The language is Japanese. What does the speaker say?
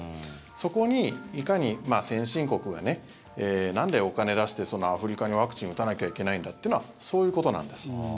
そこに、いかに先進国がなんでお金出してアフリカにワクチンを打たなきゃいけないんだというのはそういうことなんです。